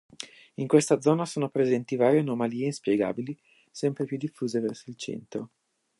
In questa zona sono presenti varie anomalie inspiegabili, sempre più diffuse verso il centro.